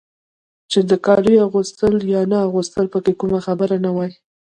چې د کالو اغوستل یا نه اغوستل پکې کومه خبره نه وای.